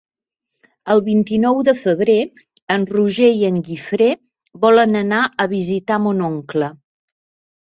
El vint-i-nou de febrer en Roger i en Guifré volen anar a visitar mon oncle.